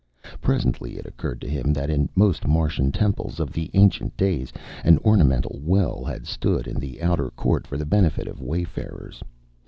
Presently it occurred to him that in most Martian temples of the ancient days an ornamental well had stood in the outer court for the benefit of wayfarers.